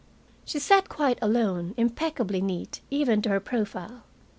She sat quite alone, impeccably neat, even to her profile.